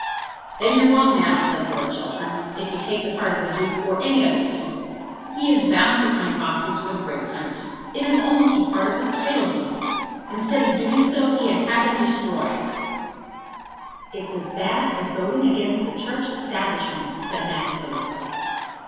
"Then you're wrong now," said Lord Chiltern, "if you take the part of the Duke or of any of his people. He is bound to find foxes for the Brake hunt. It is almost a part of his title deeds. Instead of doing so he has had them destroyed." "It's as bad as voting against the Church establishment," said Madame Goesler.